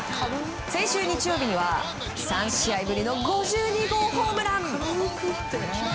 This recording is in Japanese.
先週日曜日には３試合ぶりの５２号ホームラン。